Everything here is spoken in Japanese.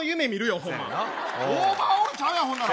オーバーオールちゃうやん、ほんなら。